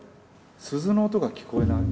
鈴の音が聞こえない。